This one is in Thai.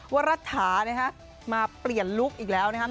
ว่ารัฐานะครับมาเปลี่ยนลุคอีกแล้วนะครับ